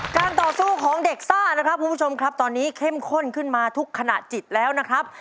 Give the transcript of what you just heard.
การต่อสู้ของเด็กซ่านะครับคุณผู้ชมครับตอนนี้เข้มข้นขึ้นมาทุกขณะจิตแล้วนะครับ